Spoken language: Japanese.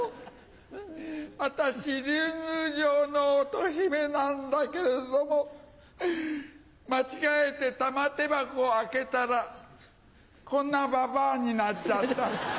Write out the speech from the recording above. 私竜宮城の乙姫なんだけれども間違えて玉手箱開けたらこんなババアになっちゃった。